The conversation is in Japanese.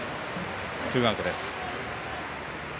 ツーアウトです。